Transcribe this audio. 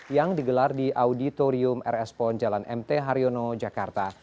yang digelar di auditorium rs pon jalan mt haryono jakarta